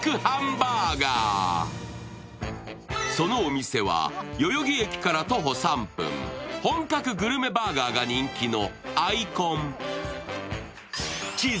そのお店は代々木駅から徒歩３分本格グルメバーガーが人気のＩＣＯＮ。